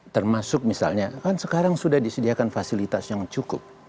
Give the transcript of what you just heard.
termasuk misalnya kan sekarang sudah disediakan fasilitas yang cukup